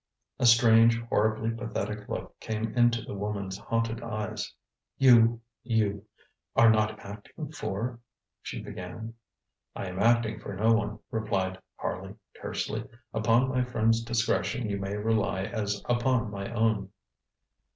ŌĆØ A strange, horribly pathetic look came into the woman's haunted eyes. ŌĆ£You you are not acting for ?ŌĆØ she began. ŌĆ£I am acting for no one, ŌĆØ replied Harley tersely. ŌĆ£Upon my friend's discretion you may rely as upon my own.